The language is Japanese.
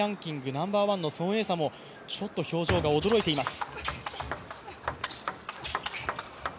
ナンバーワンの孫エイ莎もちょっと表情が驚いています。